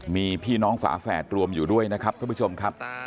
มีพี่น้องฝาแฝดรวมอยู่ด้วยนะครับท่านผู้ชมครับ